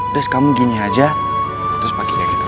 udah kamu gini aja terus paginya gitu